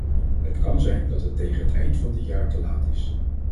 Het kan zijn dat het tegen het eind van dit jaar te laat is.